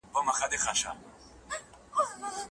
د حقونو بښل په خالق پوري اړه لري.